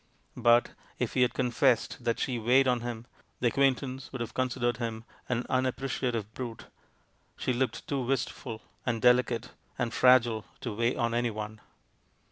But, if he had confessed that she weighed on him, the acquaintance would have considered him an unappreciative brute ; she looked too wist ful, and delicate, and fragile to weigh on anyone.